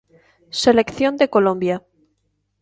Selección de Colombia.